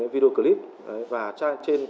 video clip và trên